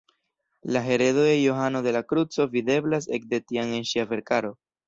La heredo de Johano de la Kruco videblas ekde tiam en ŝia verkaro.